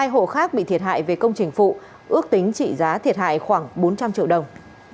hai hộ khác bị thiệt hại về công trình phụ ước tính trị giá thiệt hại khoảng bốn trăm linh triệu đồng